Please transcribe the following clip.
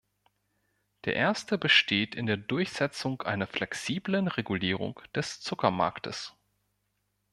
Der erste besteht in der Durchsetzung einer flexiblen Regulierung des Zuckermarktes.